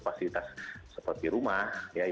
fasilitas seperti rumah